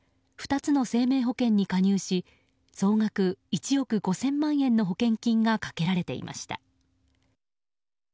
２つの生命保険に加入し総額１億５０００万円の保険金がかけられていました。